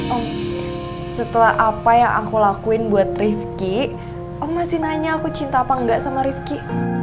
om setelah apa yang aku lakuin buat rifqi om masih nanya aku cinta apa engga sama rifqi